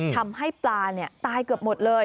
ทำให้ปลาตายเกือบหมดเลย